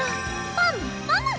パムパム！